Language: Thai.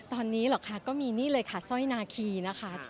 ตอนนี้เหรอคะก็มีนี่เลยค่ะสร้อยนาคีนะคะ